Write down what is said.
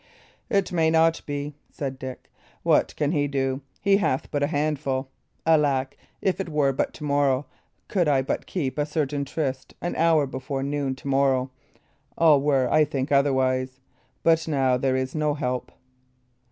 "It may not be," said Dick. "What can he do? He hath but a handful. Alack, if it were but to morrow could I but keep a certain tryst an hour before noon to morrow all were, I think, otherwise. But now there is no help."